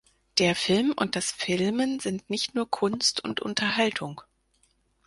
Der Film und das Filmen sind nicht nur Kunst und Unterhaltung.